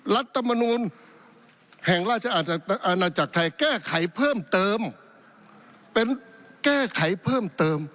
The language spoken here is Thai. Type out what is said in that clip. รัฐมนูลแห่งราชอาณาจักรไทยแก้ไขเพิ่มเติมเป็นแก้ไขเพิ่มเติม